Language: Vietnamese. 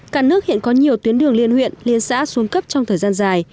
cả nước hiện có nhiều tuyến đường liên huyện liên xã xuống cấp trong thời gian dài